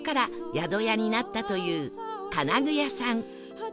宿屋になったという金具屋さん